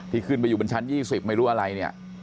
ขึ้นไปอยู่บนชั้น๒๐ไม่รู้อะไรเนี่ย